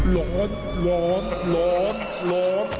ร้อนร้อนร้อนร้อน